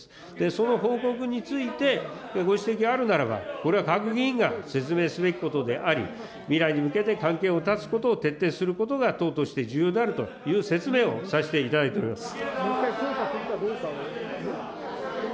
その報告について、ご指摘あるならば、これは各議員が説明すべきことであり、未来に向けて関係を断つことを徹底することが党として重要であるという説明をさせていただいております。